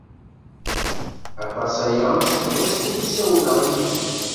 Aṭas aya seg wasmi ur ssawleɣ yid-m.